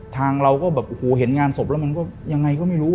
ทางเราก็แบบโอ้โหเห็นงานศพแล้วมันก็ยังไงก็ไม่รู้